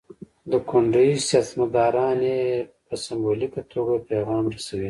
د کونډې سیاستمداران یې سمبولیکه توګه پیغام رسوي.